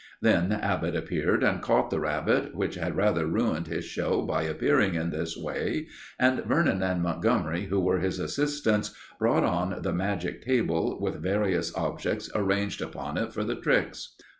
Then Abbott appeared and caught the rabbit, which had rather ruined his show by appearing in this way; and Vernon and Montgomery, who were his assistants, brought on the magic table, with various objects arranged upon it for the tricks.